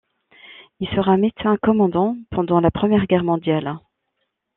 Il sera médecin-commandant pendant la première guerre mondiale.